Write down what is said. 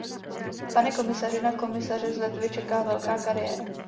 Pane komisaři, na komisaře z Litvy čeká velká kariéra.